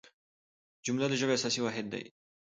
جمله د ژبي اساسي واحد دئ.